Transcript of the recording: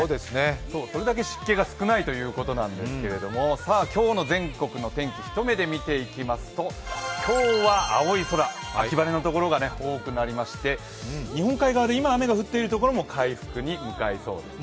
それだけ湿気が少ないということなんですけど今日の全国の天気、一目で見ていきますと今日は青い空、秋晴れのところが多くなりまして、日本海側で今、雨が降っている所も回復に向かいそうですね。